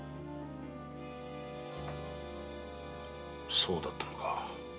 そうだったのか。